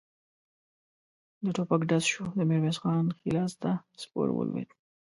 د ټوپک ډز شو، د ميرويس خان ښی لاس ته سپور ولوېد.